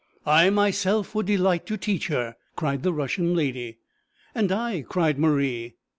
'I myself would delight to teach her,' cried the Russian lady. 'And I,' cried Marie.